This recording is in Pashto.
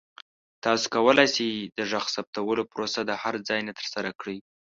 تاسو کولی شئ د غږ ثبتولو پروسه د هر ځای نه ترسره کړئ.